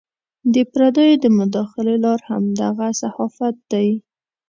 د پردیو د مداخلو لار همدغه صحافت دی.